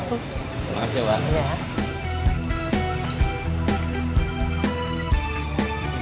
terima kasih bang